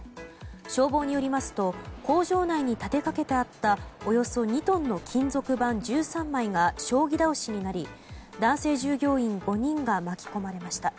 消防によりますと工場内に立てかけてあったおよそ２トンの金属板１３枚が将棋倒しになり男性従業員５人が巻き込まれました。